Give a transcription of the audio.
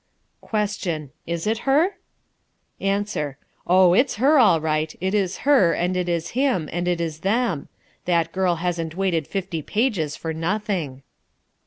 Question. Is it her? Answer. Oh, it's her all right. It is her, and it is him, and it is them. That girl hasn't waited fifty pages for nothing.